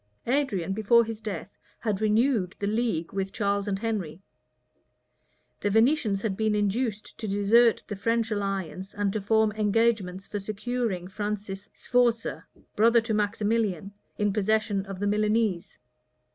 [*] Adrian before his death had renewed the league with Charles and Henry. The Venetians had been induced to desert the French alliance, and to form engagements for securing Francis Sforza, brother to Maximilian, in possession of the Milanese.